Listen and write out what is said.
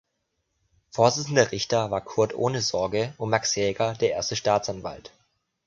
Vorsitzender Richter war Kurt Ohnesorge und Max Jäger der Erste Staatsanwalt.